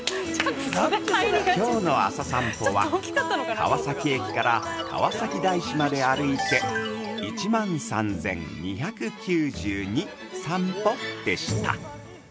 ◆きょうの朝さんぽは川崎駅から川崎大師まで歩いて１万３２９２さん歩でした。